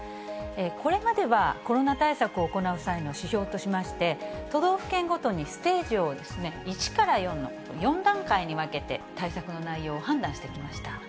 これまではコロナ対策を行う際の指標としまして、都道府県ごとにステージを１から４の４段階に分けて対策の内容を判断してきました。